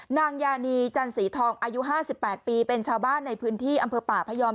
นางยานีจันสีทองอายุ๕๘ปีเป็นชาวบ้านในพื้นที่อำเภอป่าพยอม